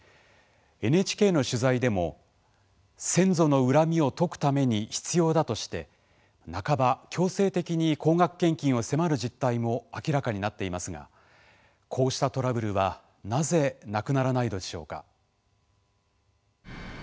ＮＨＫの取材でも先祖の恨みを解くために必要だとして、半ば強制的に高額献金を迫る実態も明らかになっていますがこうしたトラブルはなぜ、なくならないのでしょうか。